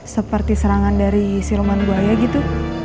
seperti serangan dari si roman buaya gitu